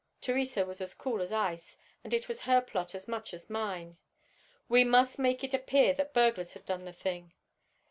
Theresa was as cool as ice, and it was her plot as much as mine. We must make it appear that burglars had done the thing.